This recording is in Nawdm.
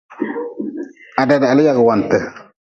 Ha dadahli yagwante.